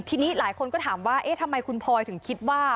ทีนี้หลายคนก็ถามว่าเอ๊ะทำไมคุณพลอยถึงคิดว่า